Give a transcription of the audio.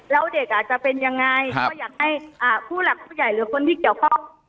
แล้วเด็กอาจจะเป็นยังไงก็อยากให้ผู้หลักผู้ใหญ่หรือคนที่เกี่ยวข้อง